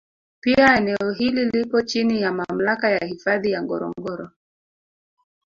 Pia eneo hili lipo chini ya Mamlaka ya Hifadhi ya Ngorongoro